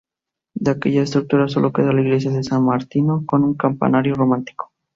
De aquella estructura solo queda la iglesia de San Martino, con un campanario románico.